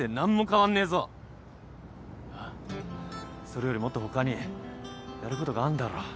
それよりもっと他にやることがあんだろ。